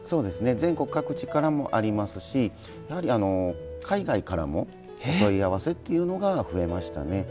全国各地からもありますし海外からもお問い合わせというのが増えましたね。